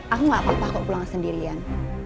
aku gak apa apa kok pulang sendirian